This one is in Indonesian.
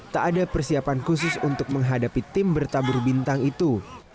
tak ada persiapan khusus untuk menghadapi tim bertabur bintang itu